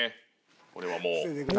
これはもう。